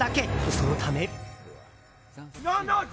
そのため。